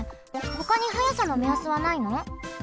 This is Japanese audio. ほかに速さのめやすはないの？